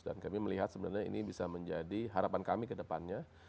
kami melihat sebenarnya ini bisa menjadi harapan kami ke depannya